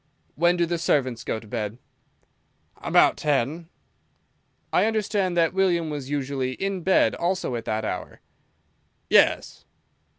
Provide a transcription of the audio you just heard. "When do the servants go to bed?" "About ten." "I understand that William was usually in bed also at that hour." "Yes."